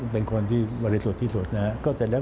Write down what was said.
เป็นคนที่บริสุทธิ์ที่สุดนะครับ